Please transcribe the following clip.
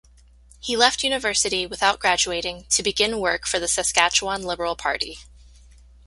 He left university without graduating to begin work for the Saskatchewan Liberal Party.